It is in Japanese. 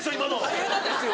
大変なんですよ